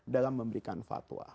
dalam memberikan fatwa